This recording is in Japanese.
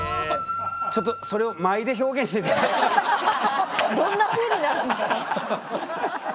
ちょっとそれをどんなふうになるんですか？